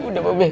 udah mbak beb